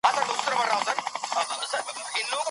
سياسي ګوندونه په ټاکنو کي څنګه سيالي کوي؟